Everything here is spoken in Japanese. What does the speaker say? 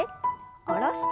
下ろして。